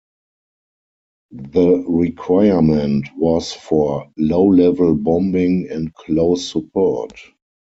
The requirement was for low-level bombing and close support.